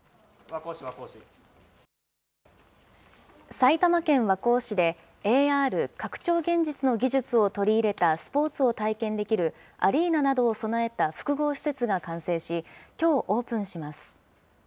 埼玉県和光市で、ＡＲ・拡張現実の技術を取り入れたスポーツを体験できる、アリーナなどを備えた複合施設が完成し、きょう、オープンします。